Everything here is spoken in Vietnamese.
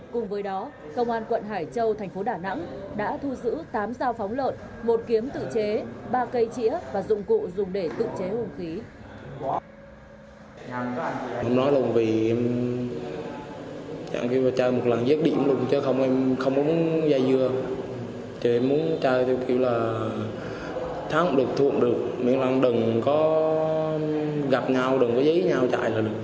cùng với đó công an quận hải châu thành phố đà nẵng đã thu giữ tám sao phóng lợn một kiếm tự chế ba cây chĩa và dụng cụ dùng để tự chế hung khí